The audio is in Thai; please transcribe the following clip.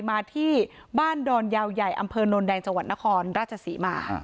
มาที่บ้านดอนยาวใหญ่อำเภอโนนแดงจังหวัดนครราชศรีมา